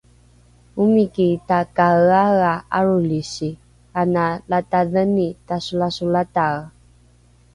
omiki takaeaea arolisi ana latadheni tasolasolatae